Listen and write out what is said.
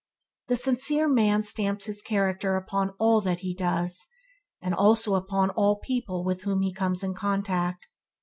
The sincere man stamps his character upon all that he does, and also upon all people with whom he comes in contact.